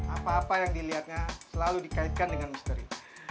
apa apa yang dilihatnya selalu dikaitkan dengan misteri